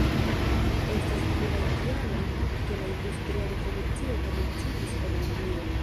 Estas pluraj kialoj, ke la industria revolucio komenciĝis en Anglio.